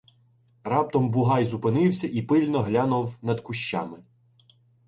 Раптом Бугай зупинився і пильно глянув над кущами.